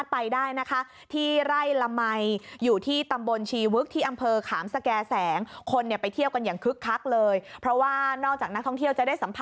แต่ดูสิคะดอกทันตว